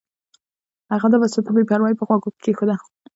هغه دا وسیله په بې پروایۍ په غوږو کې کېښوده